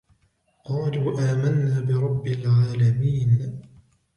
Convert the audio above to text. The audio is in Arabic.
قَالُوا آمَنَّا بِرَبِّ الْعَالَمِينَ